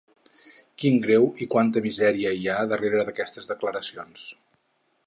Quin greu i quanta misèria hi ha darrera d'aquestes declaracions.